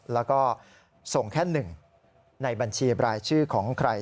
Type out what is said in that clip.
แล้วก็ส่งแค่๑ในบัญชีบรายชื่อของใคร